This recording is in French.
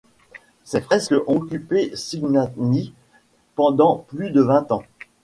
Ces fresques ont occupé Cignani pendant plus de vingt ans.